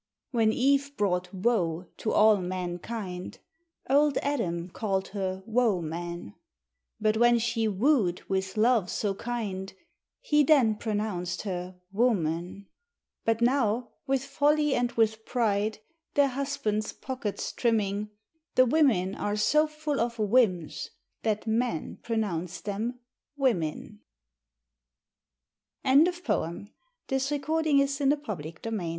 When Eve brought woe to all mankind Old Adam called her wo man; But when she wooed with love so kind, He then pronounced her woo man. But now, with folly and with pride, Their husbands' pockets trimming, The women are so full of whims That men pronounce them wimmen! ANONYMOUS. THE WOMEN FO'K. O, sairly ma